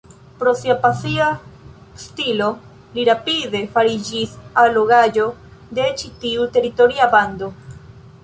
Pro sia pasia stilo li rapide fariĝis allogaĵo de ĉi tiu teritoria bando.